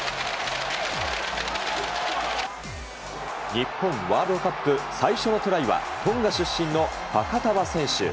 日本、ワールドカップ最初のトライはトンガ出身のファカタヴァ選手。